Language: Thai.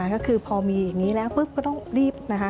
ก็คือพอมีอย่างนี้แล้วก็ต้องรีบ